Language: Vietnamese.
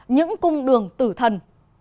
những cung đường tử thần